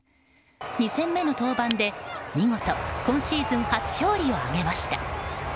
２戦目の登板で見事、今シーズン初勝利を挙げました。